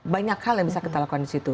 banyak hal yang bisa kita lakukan disitu